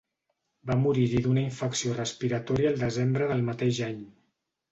Va morir-hi d'una infecció respiratòria el desembre del mateix any.